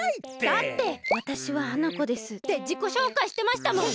だって「わたしは花子です」ってじこしょうかいしてましたもん。